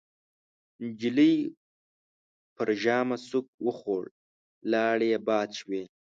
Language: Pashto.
نجلۍ پر ژامه سوک وخوړ، لاړې يې باد شوې.